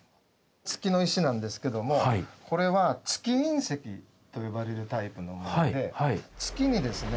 月の石なんですけどもこれは月隕石と呼ばれるタイプのもので月にですね